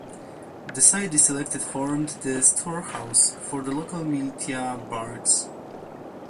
The site they selected formed the storehouse for the local militia barracks.